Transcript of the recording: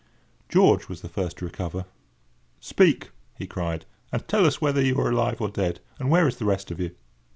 George was the first to recover. "Speak!" he cried, "and tell us whether you are alive or dead—and where is the rest of you?"